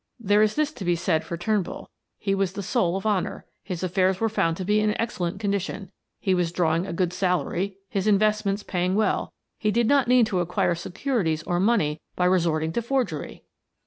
"There is this to be said for Turnbull: he was the soul of honor, his affairs were found to be in excellent condition, he was drawing a good salary, his investments paying well he did not need to acquire securities or money by resorting to forgery."